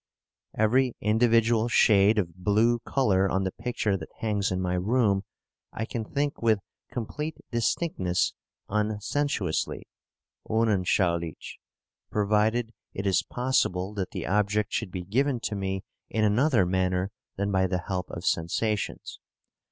Every individual shade of blue colour on the picture that hangs in my room I can think with complete distinctness unsensuously (unanschaulich), provided it is possible that the object should be given to me in another manner than by the help of sensations.